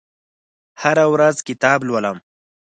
هره ورځ کتاب لولم